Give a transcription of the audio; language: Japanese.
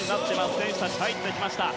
選手たちが入ってきました。